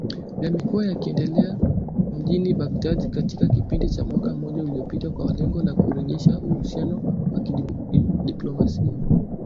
Yamekuwa yakiendelea mjini Baghdad katika kipindi cha mwaka mmoja uliopita kwa lengo la kurejesha uhusiano wa kidiplomasia